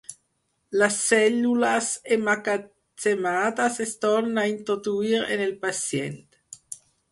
Les cèl·lules emmagatzemades es tornen a introduir en el pacient.